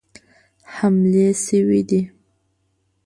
حملې سوي دي.